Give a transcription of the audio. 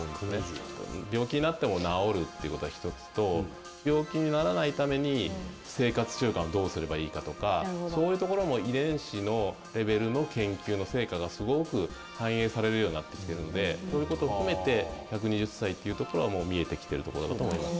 病気になっても治るってことが一つと病気にならないために生活習慣をどうすればいいかとかそういうところも遺伝子のレベルの研究の成果がすごく反映されるようになってきてるのでそういうこと含めて１２０歳ってところが見えてきてるところだと思います。